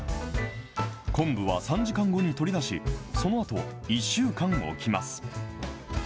昆布は３時間後に取り出し、そのあとは１週間置きます。